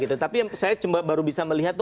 tapi saya baru bisa melihat